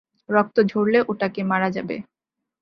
রক্ত ঝরলে, ওটাকে মারা যাবে।